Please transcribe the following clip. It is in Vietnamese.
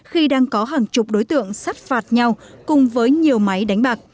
khi đang có hàng chục đối tượng sát phạt nhân dân